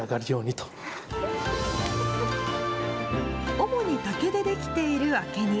主に竹で出来ている明け荷。